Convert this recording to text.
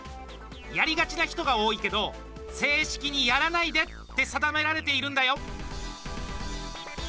やりがちな人が多いけど正式に「やらないで」って定められているんだよ！